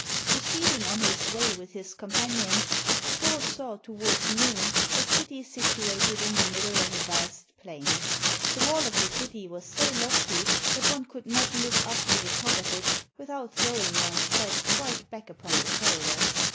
Proceeding on his way with his companions, Thor saw towards noon a city situated in the middle of a vast plain. The wall of the city was so lofty that one could not look up to the top of it without throwing one's head quite back upon the shoulder.